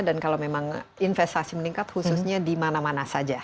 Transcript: dan kalau memang investasi meningkat khususnya di mana mana saja